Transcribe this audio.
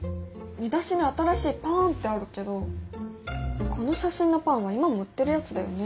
見出しの「新しいパーーーン」ってあるけどこの写真のパンは今も売ってるやつだよね？